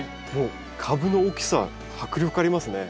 もう株の大きさ迫力ありますね。